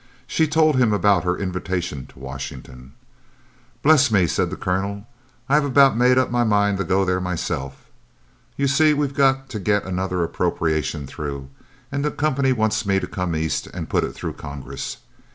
She told him about her invitation to Washington. "Bless me!" said the Colonel. "I have about made up my mind to go there myself. You see we've got to get another appropriation through, and the Company want me to come east and put it through Congress.